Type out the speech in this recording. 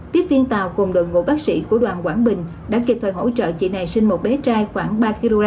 tiếp viên tàu cùng đội ngũ bác sĩ của đoàn quảng bình đã kịp thời hỗ trợ chị này sinh một bé trai khoảng ba kg